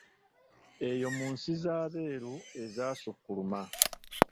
Eyo mu nsi z’abeeru ezaasukkuluma.